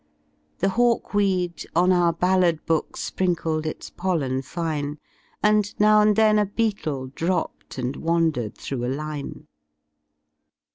The hawkweed on our ballad book Sprinkled its pollen fine ^ And now and then a beetle dropped And wandered through a line.